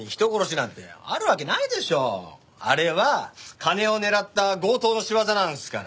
あれは金を狙った強盗の仕業なんですから。